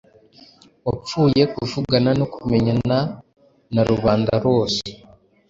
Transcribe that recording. wapfuye, kuvugana no kumenyana, narubanda rose